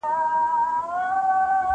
دوی وویل چي نا امني ژوند تریخوي.